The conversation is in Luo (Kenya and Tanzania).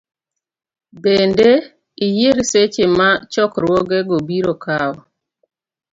Bende, iyier seche ma chokruogego biro kawo .